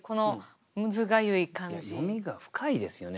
読みが深いですよね。